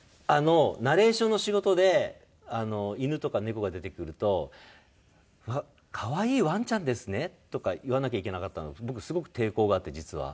ナレーションの仕事で犬とか猫が出てくると「可愛いワンちゃんですね」とか言わなきゃいけなかったの僕すごく抵抗があって実は。